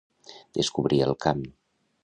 Descobrir el camp.